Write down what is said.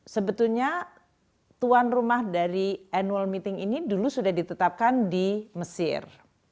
sebetulnya tuan rumah dari annual meeting ini dulu sudah ditetapkan di mesir